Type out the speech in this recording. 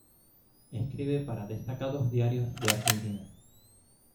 Escribe para destacados diarios de Argentina.